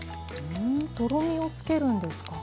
ふんとろみをつけるんですか？